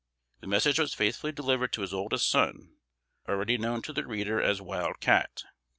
The message was faithfully delivered to his oldest son, already known to the reader as "Wild Cat."